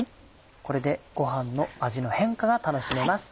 これでご飯の味の変化が楽しめます。